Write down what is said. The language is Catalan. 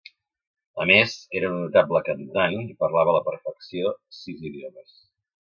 A més, era una notable cantant, i parlava a la perfecció sis idiomes.